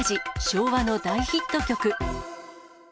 昭和の大ヒット曲。